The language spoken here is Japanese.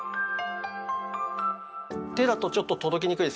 手だとちょっと届きにくいですよね。